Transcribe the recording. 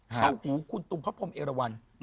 เข้าหูคุณตุงครับผมเอลวัน